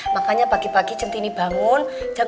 makanya pagi pagi centini bangun